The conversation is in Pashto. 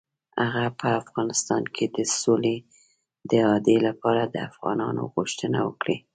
هغه به په افغانستان کې د سولې د اعادې لپاره د افغانانو غوښتنه وکړي.